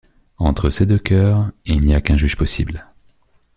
Entre ces deux cœurs, il n’y a qu’un seul juge possible.